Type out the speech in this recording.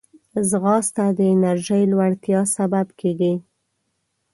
ځغاسته د انرژۍ لوړتیا سبب کېږي